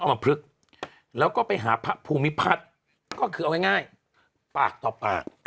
มพลึกแล้วก็ไปหาพระภูมิพัฒน์ก็คือเอาง่ายปากต่อปาก